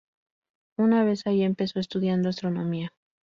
Una vez ahí empezó estudiando astronomía.